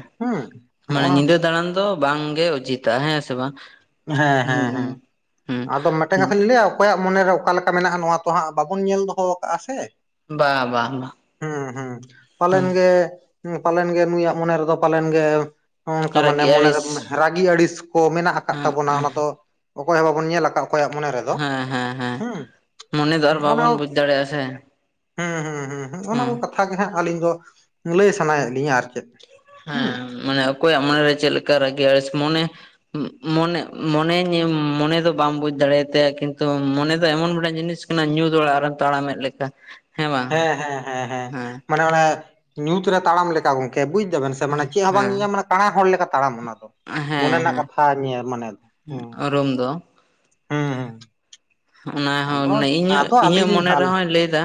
ᱢᱟᱱᱮ ᱧᱤᱫᱟᱹ ᱫᱟᱬᱟᱱ ᱫᱚ ᱵᱟᱝ ᱜᱮ ᱚᱪᱤᱛᱟ ᱦᱮᱸ ᱥᱮ ᱵᱟᱝ? ᱦᱮᱸ ᱦᱮᱸ ᱦᱮᱸ, ᱦᱩᱸ ᱦᱩᱸ ᱟᱫᱚ ᱢᱮᱫᱴᱮᱱ ᱠᱟᱛᱷᱟ ᱞᱤᱧ ᱞᱟᱹᱭ-ᱟ ᱚᱠᱚᱭᱟᱜ ᱢᱚᱱᱮᱨᱮ ᱚᱠᱟ ᱞᱮᱠᱟ ᱠᱟ ᱢᱮᱱᱟᱜ-ᱟ ᱱᱚᱣᱟ ᱛᱚ ᱦᱟᱸᱜ ᱵᱟᱵᱚᱱ ᱧᱮᱞ ᱫᱚᱦᱚ ᱠᱟ‌ᱜ-ᱟ ᱥᱮ, ᱵᱟ ᱵᱟ ᱵᱟ ᱦᱩᱸ ᱦᱩᱸ ᱯᱟᱞᱮᱱ ᱦᱩᱸ ᱜᱮ ᱦᱩᱸ ᱯᱟᱞᱮᱱ ᱜᱮ ᱱᱩᱭᱟᱜ ᱢᱚᱱᱮ ᱨᱮᱫᱚ ᱯᱟᱞᱮᱱ ᱜᱮ ᱚᱱᱠᱟ ᱢᱟᱱᱮ ᱨᱟᱹᱜᱤ ᱢᱚᱱᱮ ᱨᱮ ᱟᱹᱲᱤᱥ ᱨᱟᱹᱜᱤ ᱟᱹᱲᱤᱥ ᱠᱚ ᱢᱮᱱᱟᱜ ᱟᱠᱟᱫ ᱦᱮᱸ ᱛᱟᱵᱚᱱᱟ ᱚᱱᱟ ᱫᱚ ᱚᱠᱚᱭ ᱦᱚᱸ ᱵᱟᱵᱚᱱ ᱧᱮᱞ ᱟᱠᱟᱫ ᱚᱠᱚᱭᱟᱜ ᱢᱚᱱᱮ ᱨᱮᱫᱚ ᱦᱮᱸ ᱦᱮᱸ ᱦᱮᱸ ᱦᱩᱸ ᱢᱚᱱᱮ ᱫᱚ ᱟᱨ ᱚᱱᱟ ᱵᱟᱵᱚᱱ ᱵᱩᱡᱽ ᱫᱟᱲᱮᱭᱟᱜᱼᱟ ᱥᱮ ᱦᱩᱸ ᱦᱩᱸ ᱦᱩᱸ ᱚᱱᱟ ᱠᱚ ᱦᱮᱸ ᱠᱟᱛᱷᱟ ᱜᱮ ᱦᱟᱸᱜ ᱟᱹᱞᱤᱧ ᱫᱚ ᱞᱟᱹᱭ ᱥᱟᱱᱟᱭᱮᱫ ᱞᱤᱧᱟᱹ ᱟᱨ ᱪᱮᱫ, ᱦᱩᱸ ᱦᱮᱸ ᱢᱟᱱᱮ ᱚᱠᱚᱭᱟᱜ ᱢᱚᱱᱮᱨᱮ ᱪᱮᱫ ᱞᱮᱠᱟ ᱨᱟᱹᱜᱤ ᱟᱹᱲᱤᱥ ᱢᱚᱱᱮ ᱢᱚᱱᱮ ᱢᱚᱱᱮ ᱢᱚᱱᱮ ᱫᱚ ᱵᱟᱢ ᱵᱩᱡᱽ ᱫᱟᱲᱮᱭᱛᱟᱭᱟ ᱠᱤᱱᱛᱩ ᱢᱚᱱᱮ ᱫᱚ ᱮᱢᱚᱱ ᱢᱤᱫᱽᱴᱟᱝ ᱡᱤᱱᱤᱥ ᱚᱱᱟ ᱧᱩᱸᱫᱽ ᱚᱲᱟᱜ ᱨᱮᱢ ᱛᱟᱲᱟᱢᱮᱫᱽ ᱞᱮᱠᱟ, ᱦᱮᱸ ᱦᱮᱸ ᱦᱮᱸ ᱦᱮᱸ ᱢᱟᱱᱮ ᱚᱱᱮ ᱧᱩᱛ ᱨᱮ ᱛᱟᱲᱟᱢ ᱞᱮᱠᱟ ᱜᱚᱝᱠᱮ ᱵᱩᱡ ᱫᱟᱵᱮᱱ, ᱢᱟᱱᱮ ᱦᱮᱸ ᱪᱮᱫ ᱦᱚᱸ ᱵᱟᱝ ᱧᱤᱧᱟᱢ ᱠᱟᱬᱟ ᱦᱚᱲ ᱞᱮᱠᱟ ᱛᱟᱲᱟᱢ ᱚᱱᱟ ᱫᱚ, ᱢᱚᱱᱮ ᱦᱮᱸ ᱨᱮᱱᱟᱜ ᱦᱮᱸ ᱠᱟᱛᱷᱟ ᱱᱤᱭᱟᱹ ᱢᱟᱱᱮ ᱫᱚ ᱦᱮ ᱦᱮᱸ ᱨᱩᱢ ᱫᱚ ᱦᱩᱸ ᱦᱩ ᱚᱱᱟ ᱦᱚᱸ ᱢᱟᱱᱮ ᱤᱧᱟᱹᱜ ᱤᱧᱟᱹᱜ ᱟᱹᱞᱤᱧ ᱢᱚᱱᱮ ᱨᱮᱦᱚᱸᱭ ᱞᱟᱹᱭ ᱫᱟ